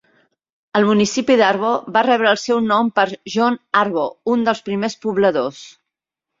El municipi d'Arbo va rebre el seu nom per John Arbo, un dels primers pobladors.